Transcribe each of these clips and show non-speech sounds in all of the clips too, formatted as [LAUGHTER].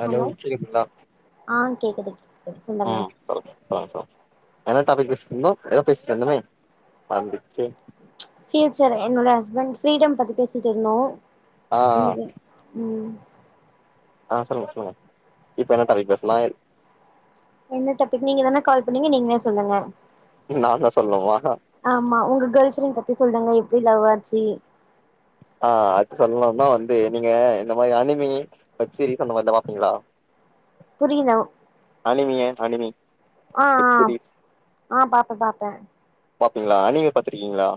Hello [UNINTELLIGIBLE] ஆ கேக்குது கேக்குது ஆ சொல்லுங்க சொல்லுங்க சொலுங்க சொல்லுங்க என்ன டாபிக் பேசி இருந்தோ ஏதாவோ பேசந்தமே மறந்திருச்சு [UNINTELLIGIBLE] சார் என்னோட ஹஸ்பண்ட் ஃப்ரீடம் பத்தி பேசிட்டு இருந்தோ ஆ [UNINTELLIGIBLE] ம் ஆ சொல்ங்க சொல்ங்க இப்ப என்ன தலைப் பேசலா என்ன டபிக் நீங்கதான கால் பண்ணீங்க நீங்ளே சொல்லுங்க நான்தா சொல்லணுமா ஆமா உங்க கேர்ள் ஃப்ரெண்ட் பத்தி சொல்லுங்க பிளவாச்சி ஆ அது சொல்ணும்னா வந்து நீங்க இந்த மாரி அனிமி வெப்சீரிஸ் அந்த மார்தா பாப்பீங்ளா புரியல அனிமிய அனிமி ஆ வெப் ஆ சீரிஸ் ஆ பா பாப்பே பாப்பீங்ளா அனிமே பாத்ருக்கீங்ளா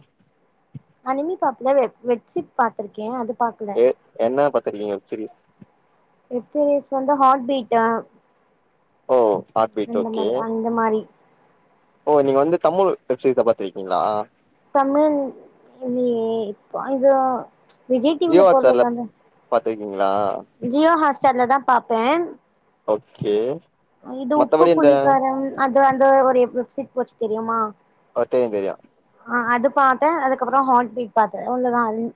அனிமி பாப்ல வெ வெட்சிட் பாத்ருக்கே அது பாக்கல ஏ என்ன பாத்திருக்கீங்க வெப்சிரீஸ் வெப்சீரிஸ் வந்து ஹாட்பீட்டா ஓ ஆட்பீட் ஓகே மாரி ஓ நீங்க வந்து தமிழ் வெப்சீர்தா பாத்திக்கீங்ளா தமிழ் இல்லியே இப்ப இது விஜய் ஜியோ டிவில ஹாட் ஸ்டார்ல போறதாங்க [UNINTELLIGIBLE] ஜியோ ஹாஸ்டார்லதா பாப் பே ஓக்கே இது உப்பு புளிக்காரம் அது அந்து ஒரு எப் சீப் போச்சி தெரியுமா தெர்யு தெரியு ஆ அதுபாத்தே அதுகப்பரோ ஹாட் பீட் பாத்தே அவ்ளதா அ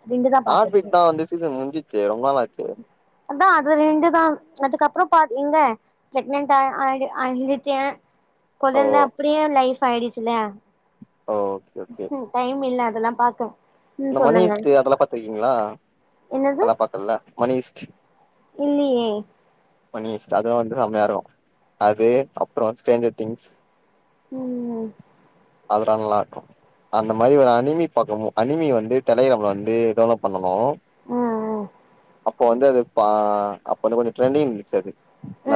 ஆட்பீட்தா வந்த சீசன் முஞ்சி ஏரோ [UNINTELLIGIBLE] அதா அது ரெண்டுதா அதுக்கப்ரோ பாக் இங்க பிரெக்னென்ட் ஆ ஆயிடு ஆயிடுட்டே ஓ கொழந்த அப்பிடியே லைஃப் பாயிடிச்சில்ல ஓகே ஓகே டைம் இல்ல அதல்லா பாத்து இந்த மணிஷ்ட்டு அதெல்லா பாத்திருக்கீங்ளா என்னது அதெல்லா பாக்கலல்ல மணிஷ் இல்லியே மணிஷ்ட்டு அது வந்து அம்யரோ அது அப்புறோ ஸ்ட்ரேஞ்சர் திங்ஸ் ம் அதல்லா நல்லா இருக்கு அந்த மாரி ஒரு அனிமி பக்கமு அனிமி வந்து டேலைக்கிராம்லா வந்து டவுன்லோட் பண்ணனு உம் உஹ இப்ப வந்து அது பா அப்ப வந்து கொஞ்ச ட்ரெண்டங்ச்ச அது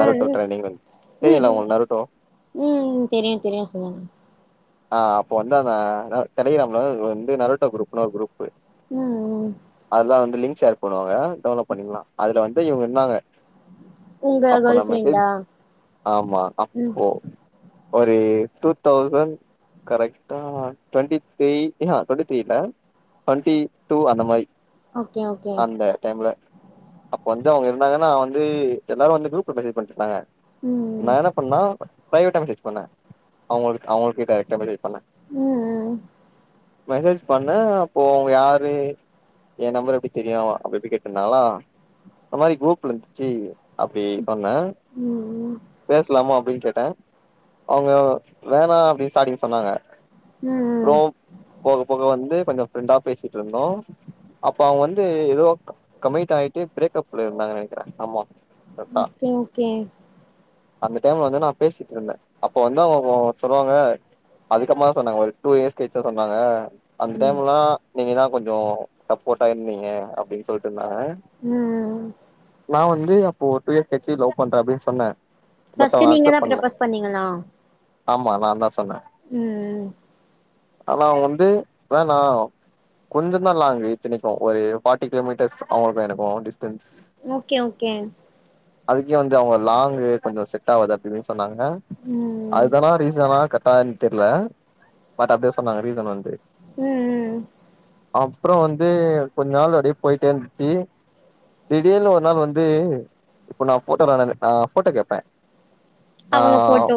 உம் ட்ரெண்டிங் வந்து உம் தெரியுல உம் உங்களுக்கு நருட்டோ உ உம் தெரியு தெரியு சொல்லுங்க ஆ அப்ப வந்து அந்த டெல்லிக்கரம்லா வந்து நரோட்டா குரூப் இன்னொரு குரூப் உம் உம் லிங்க் ஷேர் பண்ணுவாங்க டவுன்லோட் பண்ணிக்கலா அதுல வந்து இவுங்க இருந்தாங்க உங்க அப்போ கேர்ள் நம்ம ஃப்ரெண்டா ஆமா ம் அப்போ ஒரு டூ தௌசண்ட் கரெக்டா ட்வெண்ட்டி த்ரீ ஆ ட்வெண்டி த்ரீ இல்ல ட்வெண்டி டூ அந்த மாதிரி ஓகே ஓகே அந்த டைம்ல அப்ப வந்து அவுங்க இருந்தாங்கன்னா வந்து எல்லாரு வந்து குரூப்ல மெசேஜ் பண்ணிட்டு இருந்தாங்க ம் ம் நான் என்ன பண்ணா பிரைவேட்ட டீச் பண்ணை அவுங்களுக்கு அவுங்களுக்கு டைரக்டர் மெசேஜ் பண்ணே உம் உம் மெசேஜ் பண்ணே அப்போ அவுங்க யாரு என் நம்பர் எப்டி தெரியு அப்டி எப்டி கேட்டிருந்தாலா இந்த மாதிரி குரூப்ல இருந்துச்சு அப்டி சொன்னே ம் பேசலாமா அப்டி கேட்டே அவுங்க வேணா அப்டி சாட்டி சொன்னாங்க ம் ம் அப்பறோ போக போக வந்து கொஞ்ச ப்ரெண்டா பேசிட்டு இருந்தோ அப்ப அவுங்க வந்து ஏதோ கமிட் ஆகிட்டு பிரேக்ப்ல இருந்தாங்கு நெனக்குறே ஆமா கரெக்டா ஓகே ஓகே அந்த டைம்ல வந்து நா பேசிட்டு இருந்தே அப்ப வந்து அவுங்க சொல்லுவாங்க அதுக்கமா தா சொன்னாங்க ஒரு டூ இயர்ஸ் கழிச்சி சொன்னாங்க அந்த ம் டைம் எல்லா நீங்க என்னா கொஞ்சோ சப்போட்டா இருந்தீங்க அப்டின்னு சொல்லிட்டு ம் நா வந்து அப்போ டூ இயர் கிச்சு லவ் பண்றே அப்படின் சொன்னே பட் ஃபஸ்ட்டு அவங்க நீங்க தா அக்செப்ட் பண்ணல ப்ரப்போஸ் பண்ணீங்களா ஆமா நா தா சொன்னே உம் ஆனா அவுங்க வந்து வேணா கொஞ்சதா லாங்கு இத்தனைக்கு ஒரு ஃபாட்டி கிலோமீட்டர்ஸ் அவுங்களுக்கு எனக்கு டிஸ்டன்ஸ் ஓகே ஓகே அதுக்கே வந்து அவுங்க லாங்கு கொஞ்சோ செட் ஆகுது அப்டின்னு சொ சொன்னாங்க ம் ம் அதல்லா ரீசனா கன் பானி தெரில பட் அப்டியே சொன்னாங்க ரீசன் வந்து ம் ம் அப்றோம் வந்து கொஞ்ச நாள் அப்டியே போயிட்டே இருந்துச்சு திடீர்னு ஒரு நாள் வந்து இப்ப நா போட்டோ கான போட்டோ கேட்பேன் அவங்க போட்டோ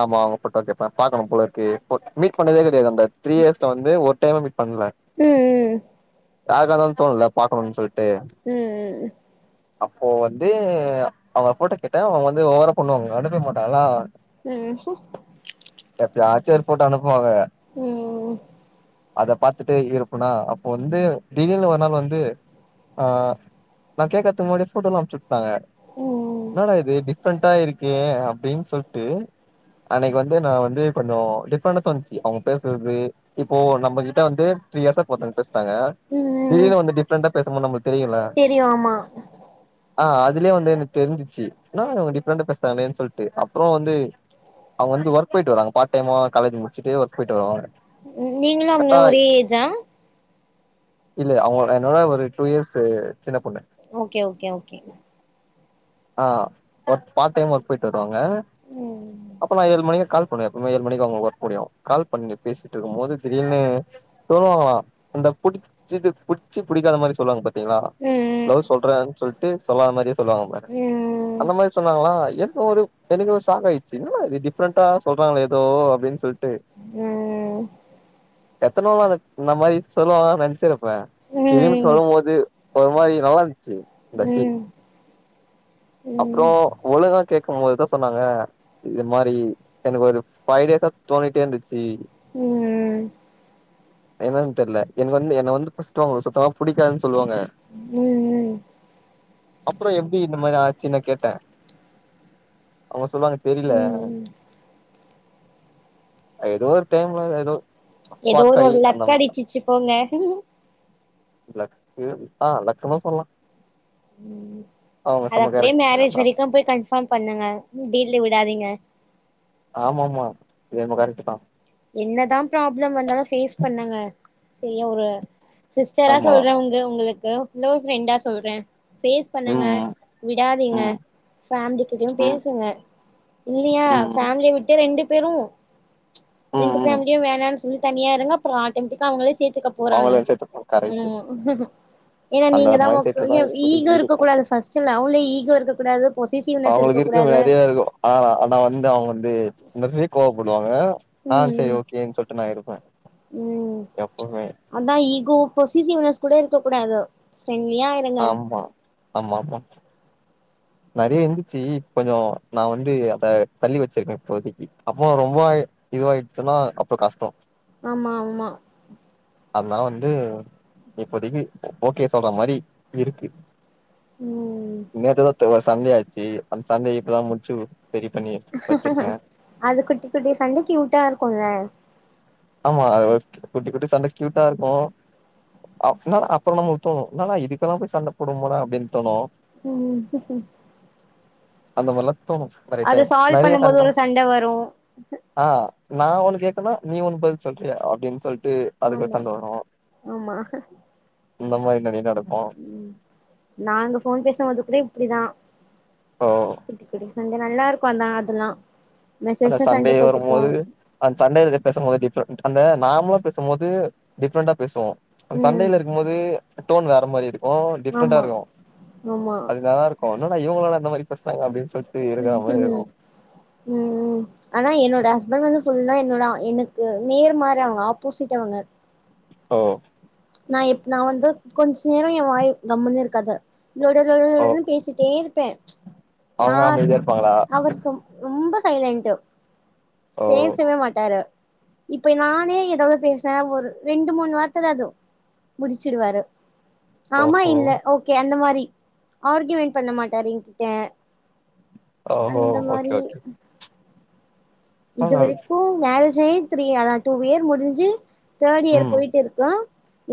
ஆமா அவுங்க போட்டோ கேப்பா பாக்கணும் போல இருக்கு மீட் பண்ணதே கெட் டேது அந்த த்ரீ இயர்ஸ்ல வந்து ஒர்க் டைமா மீட் பண்ல ம் ம் யாருக்கருந்தாலும் தோண்னுல பாக்கணுன் சொல்லிட் ம் ம் அப்போ வந்து அவங்க போட்டோ கேட்ட அவங்க வந்து ஒவற பண்ணுவாங்க அனுப்பவே மாட்டாங்களா ம் ஹும் எப்பயாச்சு ஒரு போட்டோ அனுப்புவாங்க ம் அத பாத்துட்டு இருப்பனா அப்போ வந்து திடீர்னு ஒரு நாள் வந்து ஆ நா கேக்துக்கு முன்னாடியே போட்டோ எல்லாம் அமுச்சுட் டாங்க என்னட இது இப்டி டிப்ரண்டா இருக்கே அப்டின் சொல்லிட்டு அன்னைக்கு வந் தே நா வந்து கொஞ்ச டிப்ரண்டா தோணுச்சு அவுங்க பேசுறது இப்போ நம்ம கிட்ட வந்து த்ரீ இயர்ஸா டாங்க ம் திடீர்னு வந்து டிப்ரண்டா பேச போது நமளுக்கு தெரியுல தெரியு ஆமா ஆ அதுலயே வந்து எனக் தெரிஞ்சிச்சு என்னா இவுங்க டிப்ரண்டா பேசுறங்களே சொல்டு அப்றோ வந்து அவுங்க வந்து ஒர்க் போயிட்டு வரங்க பார்ட் டைம்மா காலேஜ் முடிச்சுட்டு ஒர்க் போயிட்டு வருவாங்க நீங்களும் கரெக்டா அவங்களும் ஒரே ஏஜா இல்ல அவுங்க என்னோட ஒரு டூ இயர்ஸ்சு சின்ன பொண்ணு ஓகே ஓகே ஓகே ஆ ஒர்க் பார் டைம்மா ஒர்க் போயிட்டு வருவாங் ங்க ம் அப்ப நா ஏழு மணிக் கால் பண்ணுவே எப்பமே ஏழு மணிக்கு அவங்க ஒர்க் முடியும் கால் பண்ணி பேசிட்டு இருக்கும் போது திடீர்னு சொல்லுவாங்ளா அந்த புடிச் புடிச்சு புடிக்காத மாரி சொல்லுவாங்க பாத் தீங்ளா ம் ம் லவ் சொல்றேன் சொல்லிட் டுஸ் சொல்லாத மாரியே சொல்லுவாங்க பாரு ம் அந்த மாரி சொன்னாங்ளா எனக்கு ஒரு எனக்கு ஒரு சாக் ஆயிட்ச்சு என்னடா இது டிஃப்ரெண்டா சொல்றாங்களே எதோ அப்டின்னு சொல் ட்டு ம் எத்தன நாளு இந்த மாரி சொல்வாங்கன் நென்ச்சிரு ப்பே திடீர்னு சொல்லம்போது ஒரு மாரி நல்லா இருந் சேரி அது ஆக்சுவலி ம் ம் அப்றோ ம் உள்ளதா கேக் கும்போதுதா சொன்னாங்க இது மாரி எனக்கு ஒரு ஃபைவ் டேஸா தோணிட்டே இருந்து ச்சி ம் என்னன் தெர்ல என்ன வந்து என்ன வந்து ஃபஸ்ட்டு அவுங்களுக்கு சுத்தமா பிடிக்காதுன் சொல்வாங்க ம் ம் அப்றோ எப்டி இந்த மாரி ஆ ச்சின்னு கேட்டே அவங்க சொல்வாங்க தெரில ம் ஆ எதோ ஒரு டைம்ல எதோ எதோ ஒரு ஒரு லக் அடிச்சிர்ச்சு போங்க [UNINTELLIGIBLE] லக்கு ஆ லக்குன்னு சொல்லலா ம் அவங்க அது செம அப்பிடியே கேரக்டர் மேரேஜ் அதா வரைக்கு போய் கன்ஃபார்ம் பண்ணுங்க டீல்ல விடாதீங்க ஆமா ஆமா இது என்னமோ கரெக்ட்டுதா என்னதா ப்ராப்ளம் வந்தாலு ஃபேஸ் பண்ணுங்க. செரியா ஒரு சிஸ்டரா ஆமா சொல்றே உங்க உங்களுக்கு. க்ளோ ஃப்ரெண்டா சொல்றே ஃபேஸ் பண்ணுங்க ம் விடாதீங்க ம் ஃபேமிலிகிட்டயு ம் பேசுங்க இல்லயா ம் ஃபேமிலிய விட்டு ரெண்டு பேரு ம் ரெண்டு ம் ஃபேமிலியு வேணான் சொல்லி தனியா இருங்க அப்புற ஆட்டோமேட்டிக்கா அவங்களே சேத்தி க்க போறாங்க அவங்கள சேத்து கரெக்ட் ம் ஏன்னா அந்த ஒரு நீங்கதா மைண்ட் செட்ல தா [UNINTELLIGIBLE] ஈகோ இப்போதைக்கு இருக்கக் இருக்கோ கூடாது ஃபஸ்ட் லவ்ல ஈகோ இருக்கக்கூடாது அவங்களுக்கு இருக்கு நெறைய இருக்கு ஆனா நா வந்து அவங்க வந்து நெறைய கோவப்படுவாங்க ஆ செரி ம் ஓகேன்னு சொல்ட்டு நா இருப்பே ம் எப்பவுமே அதா ஈகோ உப்பஸ் சிசிவ்னஸ் கூட இருக்க கூடாது ஃப்ரெண்ட்லியா இருங்க ஆம்மா ஆமா ஆமா நெறைய இருந்திச்சி இப்ப கொஞ்சோ நா வந்து அத தள்ளி வச்சிருக்கே இப்போதிக்கு அப்போ ரொம்ப இதுவாயிச்சின்னா அப்புறோ கஷ்டோ ஆமா ஆமா அனால வந்து இப்பதைக்கி ஓகே சொல்ற மாரி இருக்கு ம் சண்டை ஆச்சி அந்த சண்டை இப்பதா முச்சு அது குட்டி குட்டி சண்ட கியூட்டா இருக்குல்ல ஆமா குட்டி குட்டி சண்ட க்யூட்டா இருக்கு அப்னா அப்புறோ நம்மளுக்கு தோணு என்னடா இதுக்கெல்லா போய் சண்ட போடுவோமடா அப்பிடின் தோணு ம் அந்த மாரிலா தோனு கரெக்ட் அத டைம் சால்வ் நெறைய பண்ணும் போது சண்ட ஒரு வரு ஆ நா உனக் கேக்கனா நீ ஒன் பதில் சொல்றியா அப்பிடின் சொல் ட்டு அதுக்கு ஒரு ஆமா சண்ட வரு இந்த மாரி நெறைய நடக் ம் நாங்க ஃபோன் பேசும்போது கூட இப்பிடிதா சோ குட்டி குட்டி சண் நல்லா இருக்கு அந்த அதெல்லா ஆனா மெசேஜ்ல சண்ட சண்டயே போட்டுப்போ வருபோது அந்த சண்ட இதுக பேசுபோது டிஃப்ரெண் அந்த நாமலா பேசுபோது டிஃப்ரெண்ட்டா பேசுவோ அந் ம் சண்டையில இருக்கு போது டோன் வேற அந்த மாரி இருக் ஓ டிஃப்ரெண்டா ஆமா இருக்கு ஆமா அது நல்லா இருக்கு என்னடா இவங்களாடா இந்த மாரி பேசுனாங்க அப்டின்னு சொல்ட்டு இருக்கிற ம் மாரி இருக்கு ம் ஆனா என்னோட ஹஸ்பண்ட் வந்து ஃபுல்லா என்னோட எனக்கு நேர் மார் அவுங்க ஆப்போசிட் அவுங்க ஓ நா இப் நா வந்து கொஞ்ச நேரோ ஏ வாய் கம்முன்னு இருக்காது லொட லொட ஓ லொடனு பேசிட்டே இருப்பே அவங்க யார் அமைதியா இருப்பாங்களா அவசம் ரொம்ப சைலன்டு ஓ பேசவே மாட்டாரு இப்ப நானே ஏதாவது பேசனா ஒரு ரெண்டு மூணு வார்த்த தா அது முடிச்சிடுவாரு ஆமா ஓஹோ இல்ல ஓகே அந்த மாரி ஆர்கி‌யுமெண்ட் பண்ண மாட்டாரு எங்கிட்ட ஓ ஓ ஓகே ஓகே இது பரவால்ல வரைக்கு மேரேஜ் [UNINTELLIGIBLE] த்ரீா ஆனா டூ இயர் முடிஞ்சு தேட் இயர் ம் போயிட்டு இருக்கோ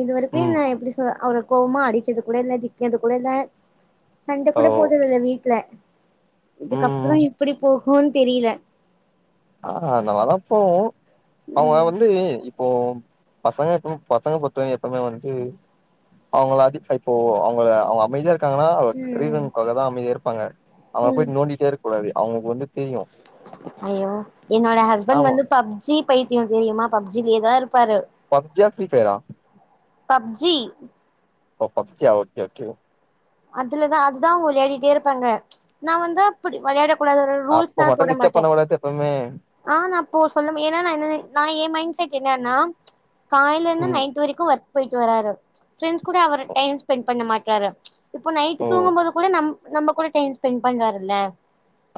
இதுவரைக்கு ம் நா எப்டி சொல்றது அவர கோபமா அடிச்சது கூட இல்ல திடிக்கது கூட இல்ல சண்ட ஓ கூட போட்டது இல்ல வீட்ல இதுக்கப்புறோ ம் எப்டி போகு கோன் தெரியல ஆ ந வளப்போ அவங்க ம் வந்து இப்போ பசங்க எப்யும் பசங்க பொறுத்தவ எப்பவுமே வந்து அவங்களா இப்போ அஞ்சி இப்போ அவங்கள அவங்க அமைதியா க்காங்கன ம் ரீசன்காகதா அமைதியா இருப்பாங்க அவங்கள போயிட்டு நோண்டிட்டே இருக்க கூடாது அவங்களுக்கு வந்து தெரியு அய்யோ என்னோட ஹஸ்பெண்ட் ஆமா வந்து பப்ஜி பைத்தியம் தெரியுமா பப்ஜிலேதா இருப் பப்ஜியா பிரீ பையரா பப்ஜி ஓ பப்ஜியா ஓகே ஓகே அதுலதா அதுதா அவங்க விளையாடிட்டே இருப்பாங்க நா வந்து அப்படி விளையாட கூட அப்ப ரூல்ஸ்லா மட்டு போட டிஸ்டர்ப் மாட்டே பண்ண கூடாது எப்பவுமே ஆ நா போ சொல்ல ஏன்னா என்ன நினை நா ஏ மைண்ட் சே [UNINTELLIGIBLE] என்னன்னா காலேலருந் ம் நைட்டு வரைக்கு வொர்க் போயிட்டு வராரு ஃப்ரெண்ட்ஸ் கூட அவர் டைம் ஸ்பெண்ட் பண்ண மாட்டாரு இப்போ நைட்டு ஓ தூங்கும்போது கூட நம் நம்ம கூட டைம் ஸ்பென் பண்றாரு இல்ல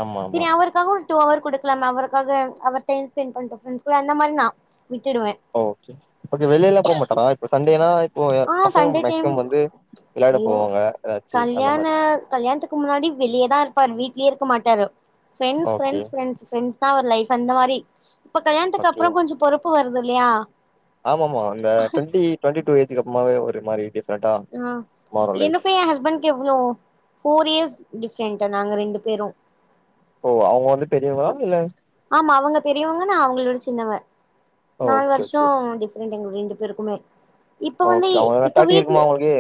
ஆமா சேரி ஆமா அவர்க்காக டூ அவர் குடுக்கலாம அவருக்காக அவர் டைம் ஸ்பெண்ட் பண்டும் ஃபரெண்க்கு அந்த மாரி நா விட்டுடுவே ஓகே ஓகே வெளியல்லா போ மாட்டாரா இப்ப சண்டேலா ஆ சண்டே டைம் விளையாட ஐயோ போவாங்க ஏதாச்சு அந்த கல்யாண மாரி கல்யாணத்துக்கு முன்னாடி வெளியதான் இருப்பாரு வீட்லே இருக்க மாட்டாரு friends okay friends friends friends தா அவரு லைஃப் அந்த மாரி இப்ப கல்யாணத்துக்கு ஓகே அப்றோ கொஞ்ச பொறுப் பு வருது இல்லையா ஆமாமா இந்த டெண்டி டுவெண்டி டூ ஏஜ் கப்மாவே ஒரு மாரி டிஸ் ஆ எனக்கும் ஏ ஹஸ்பண்க்கு எவ்ளோ போர் இயர்ஸ் டிப்ரெண்ட் நாங்க ரெண்டு பேரும் ஓ அவுங்க வந்து பெரியவங்ளா இல்ல அவங்க பெரியவங்க நா அவங்களோட சின்னவ நாலு ஓகே ஓகே வர்ஷோம் டிஃப்ர ரண்டு எங்க ரெண்டு பேருக்குமே இப்ப வந்து ஓகே அவுங்க இப்ப தேட்டி வீட்ல இருக்குமா அவுங்களுக்கு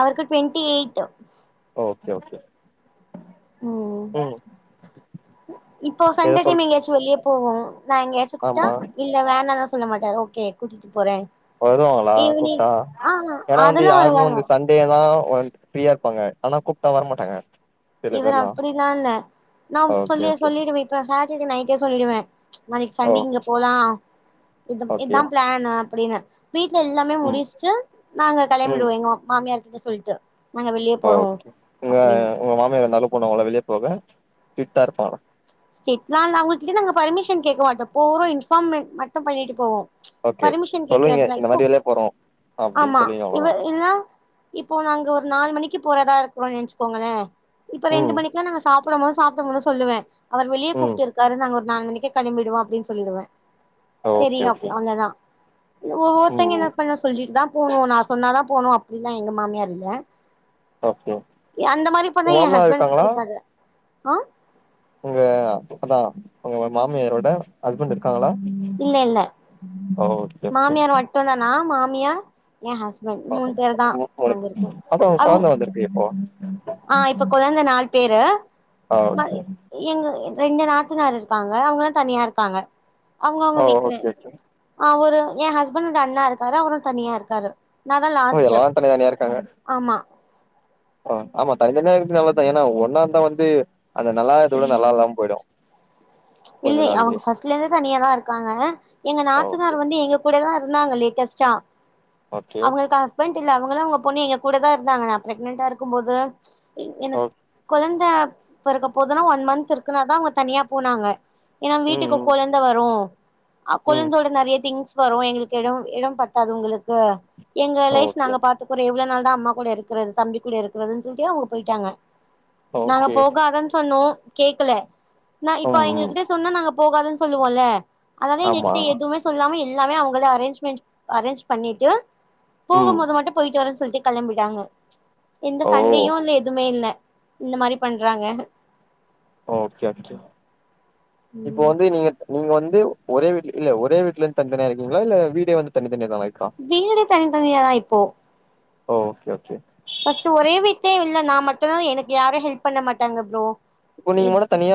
அவருக்கு ட்வெண்டி எயிட் ஓகே ஓகே ம் உ இப்போ ஏதோ சண்டே சொல் டைம் எங்கயாச்சு வெளிய போவோம் நா எங்கயாச்சு கூப்டா ஆமா இல்ல வேணா தா சொல்ல மாட்டங்க ஓகே கூட்டிட்டு போறேன் வருவாங்களா கூப்டா ஏன்னா வந்து அதெல்லா யாருமே வருவாங்க வந்து சண்டே தா ஒன்ஸ் ஃப்ரீயா இருப்பாங்க ஆனா கூப்டா வரமாட்டாங்க சில இவர் பேர்லாம் அப்பிடிலாம் இல்ல நா ஓகே சொல்லியே ஓகே சொல்லிடுவேன் இப்ப சாட் இன்னைக்கி நயிட்டே சொல்லிடுவேன் ச் நாளைக்கு ஓ சண்டி இங்க போலாம் இ ஓகே இதான் பிளான் அப்டின்னு வீட்டுல எல்லாமே ம் முடிச்சுட்டு நாங்க களம்பிடுவோ எங்க மாமியார் எங்க சொல்ட்டு ஆ ஓகே உங்க உங்க மாமியா இருந்தாலு போனவங்கள வெளியே போக ஸ்ட்ரீட இருப்பாங்களா ஸ்ட்ல இல்ல அவங்கிட்ட நாங்க பர்மிஷன் கேட்க மாட்டோ போறோ இன்ஃபார்ம மட்டும் பண்ணிட்டு போவோ ஓகே பர்மிஷன் சொல்லுவீங்க கேக்குறதுல்ல இந்த இப்போ மாரி வெளிய போறோம் அப்டின்னு ஆமா சொல்லுவீங்க இவ அவ்ளோதான் இல்லனா இப்போ நாங்க ஒரு நாலு மணிக்கு போறதா இ அப்புறோ நைச்சுக்கோங்களே இப்ப ரெண்டு ம் மணிக்ளா நாங்க சாப் பிடம் போதும் சாப்பிடும் போது சொல்லுவ அவர் வெளிய ம் கூப்பிட்டு இருக்காரு நாங்க ஒரு நாலு மணிக் க் கிளம்பிடுவோ அப்படின்னு சொல்லிடுவே சேரி ஓகே அவ்ளதா ம் ஒவ்வொருத்தங்க என்ன ம் பண்ண சொல்லிட்டுதா போனும் நா சொன்னாதா போனு அப் அப்டிலா எங்க மாமியார் இல்ல ஓகே ஏ அந்த மாரி உங்க பண்ண என் மாமனார் ஹஸ்பண்ட்கு இருக்காங்களா பிடிக்காது ஆ அ அதா உங்க மாமியாரோட ஹஸ்பண்ட் இருக்காங்களா இல்ல இல்ல ஓகே மாமியார் மட்டுதா நா மாமியார் எ ஹஸ்பண்ட் [UNINTELLIGIBLE] மூணு பேர் தா நாங்க இருக்கோ அத்த உங்க அவங்க கொழந்த வந்திருக்கே இப்போ ஆ இப்ப கொழந்த நாலு பேரு ஆ ந ஓகே எங்க ரெண்டு நாத்தனார் இருக்காங்க அவுங்கள தனியா இருக்காங்க அவுங்க அவுங்க ஓ வீட்டுல ஓகே ஓகே ஆ ஒரு எ ஹஸ்பண்ட் ஓட அண்ணா இருக்காரு அவரு தனியா இருக்காரு நா தா ஓ லாஸ்ட்டு எல்லாரு தானே தானியா இருக்காங்க ஆமா அ ஆமா தனி தனிய இருக்கிறது நல்லாத்தா ஏனா ஒண்ணாந்த வந்து அந்த நல்லாதத்தோட நல்லா இல்லாம் போயிடு கொஞ்ச இல்லை அவுங்க நாள்லயே ஃபர்ஸ்ட்ல இருந்தே இல்ல அவங்க அவங்க ஃபஸ்ட்ல இருந்து தனியா தா இருக்காங்க எங்க ஓகே நாத்தனார் வந்து எங்க கூடேதா இருந்தாங்களே கெஸ்ட ஓகே அவுங்களுக்கு ஹஸ்பண்ட் டில்ல அவுங்களு அவங்க பொண்ணு எங்க கூடதா இருந்தாங்க நா பிரெக்னெடா இருக்கும்போது இ ஓ எனக் குழந் தா பொறக்க போதுனா ஒன் மந்த் இருக்குன தா அவுங்க தனியா போனாங்க ஏன்னா ம் வீட்டுக்கு ம் கொழந்த வரு அ ம் கொழந்தையோட நறைய திங்ஸ் வரு எங்களுக்கு இடம் இடம் பத்தாது உங்களுக்கு எங்க லைப் ஓகே நாங்க பாத்துக்கிறோ எவ்ளோ நாள் த அம்மா கூட இருக்கிறது தம்பி கூட இருக்கிறதுன்னு சொல்லிட்டு அவுங்க போயிட்டாங்க நாங்க ஓகே போகாதன்னு சொன்னோ கேக்கல நா இப்ப ம் ம் அவிங்ககிட்ட [UNINTELLIGIBLE] நாங்க போகாதுன்னு சொல்லுவம்ல அதாலா எங்க ஆமா கிட்ட எதுவுமே சொல்லாம எல்லாமே அவுங்களே அரேஞ்ச்மெண்ட் அரேஞ்ச் பண்ணிட்டு ம் போகும்போது மட்டு போயிட்டு வரே சொல்லிட்டு கிளம்பிட்டாங்க எந்த ஓ சண்டையு இல்ல எதுவுமே இல்ல இந்த மாரி பண்றாங்க ஓ ஓகே ஓகே இப்போ வந்து நீங்க நீங்க வந் து ஒரே வீட்ல இல்ல ஒரே வீட்டுல இருந்து தனிதனியா இருக்கிங்களா இல்ல வீடே வந்து தனி வீடு தனி தனியாதா இப்போ ஓ ஓகே ஓகே ஃபஸ்ட் ஒரே வீட்ல இல்ல நா மட்டும்தா எனக்கு யாரு ஹெல்ப் பண்ண மாட்டாங்க ப்ரோ இப்ப நீங்க எ மட்டு தனியா